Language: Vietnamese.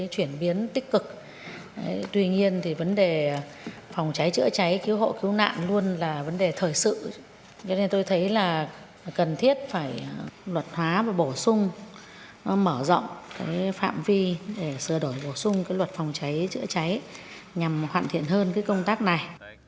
chữa cháy cứu hộ cứu nạn luôn là vấn đề thời sự cho nên tôi thấy là cần thiết phải luật hóa và bổ sung mở rộng phạm vi để sửa đổi bổ sung luật phòng cháy chữa cháy nhằm hoàn thiện hơn công tác này